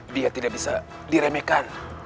dia tidak bisa diremehkan